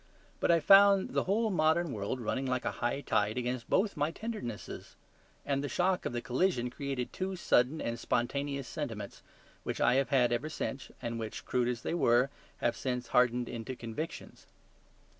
But I found the whole modern world running like a high tide against both my tendernesses; and the shock of that collision created two sudden and spontaneous sentiments, which I have had ever since and which, crude as they were, have since hardened into convictions.